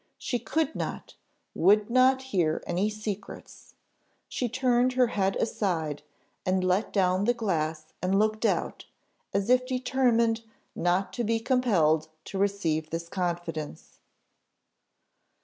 She could not, would not hear any secrets; she turned her head aside, and let down the glass, and looked out, as if determined not to be compelled to receive this confidence.